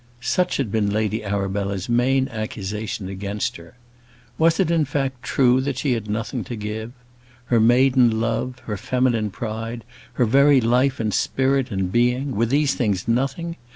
Such had been Lady Arabella's main accusation against her. Was it in fact true that she had nothing to give? Her maiden love, her feminine pride, her very life, and spirit, and being were these things nothing?